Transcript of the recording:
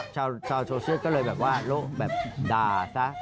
ชาวโชว์เชื้อก็เลยแบบว่าลูกแบบด่าซะ